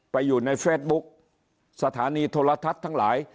ไปอยู่ในเฟซบุ๊กสถานีโทรทัศน์ทั้งหลาย